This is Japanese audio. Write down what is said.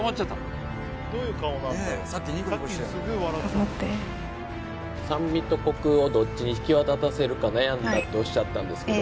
入ってるはい酸味とコクをどっちに際立たせるか悩んだとおっしゃったんですけど